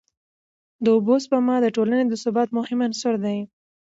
د اوبو سپما د ټولني د ثبات مهم عنصر دی.